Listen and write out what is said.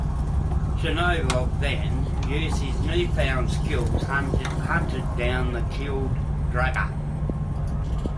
Chernevog then, using his new-found skills, hunted down and killed Draga.